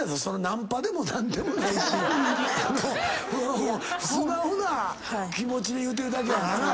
ナンパでも何でもないし素直な気持ちで言うてるだけやからな。